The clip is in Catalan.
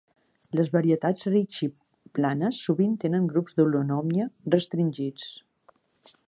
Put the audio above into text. Les varietats Ricci planes sovint tenen grups de holonomia restringits.